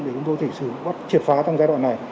để chúng tôi thể xử bắt triệt phá trong giai đoạn này